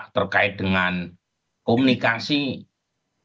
terkait dengan komunikasi dan juga dengan kesehatan yang terjadi di dalam kesehatan kita